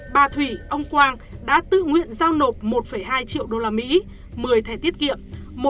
bà thủy ông quang đã tự nguyện giao nộp một hai triệu usd một mươi thẻ tiết kiệm